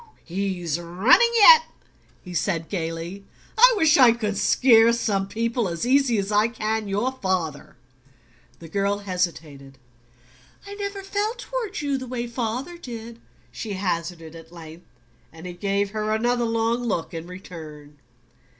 "He's running yet!" he said gaily. "I wish I could scare some people as easy as I can your father." The girl hesitated. "I never felt toward you the way father did," she hazarded at length; and he gave her another long look in return.